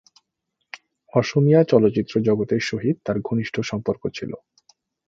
অসমীয়া চলচ্চিত্র জগতের সহিত তাঁর ঘনিষ্ঠ সম্পর্ক ছিল।